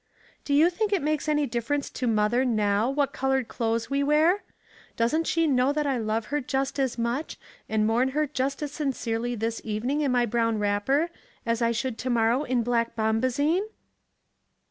'' Do you think it makes any diflPerence to mother now what colored clothes we wear ? Doesn't she know that I love her just as much, and mourn her just as sincerely this evening in my brown wrapper as I should to morrow in black bombazine